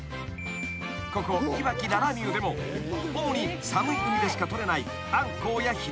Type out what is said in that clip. ［ここいわき・ら・ら・ミュウでも主に寒い海でしか取れないアンコウやヒラメ］